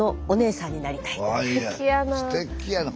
すてきやな。